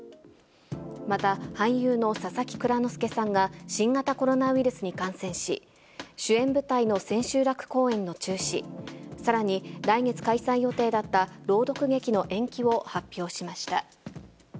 また、俳優の佐々木蔵之介さんが新型コロナウイルスに感染し、主演舞台の千秋楽公演の中止、さらに、来月開催予定だった朗読劇の延期を発表しました。